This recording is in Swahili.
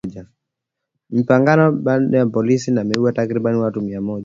Mapigano baina ya polisi yameuwa takribani watu mia moja